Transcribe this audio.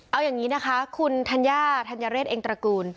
เอาอย่างนี้นะคะคุณธัญญาธัญเรศเองตระกูล